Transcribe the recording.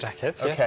はい。